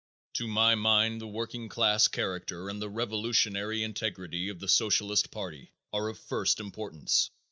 To my mind the working class character and the revolutionary integrity of the Socialist party are of first importance.